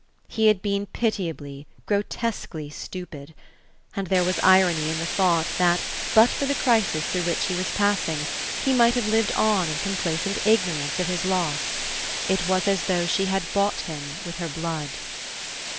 He had been pitiably, grotesquely stupid; and there was irony in the thought that, but for the crisis through which he was passing, he might have lived on in complacent ignorance of his loss. It was as though she had bought him with her blood....